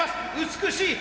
美しい。